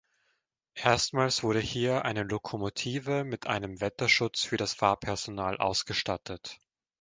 Erstmals wurde hier eine Lokomotive mit einem Wetterschutz für das Fahrpersonal ausgestattet.